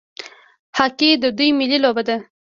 هاکي د دوی ملي لوبه ده.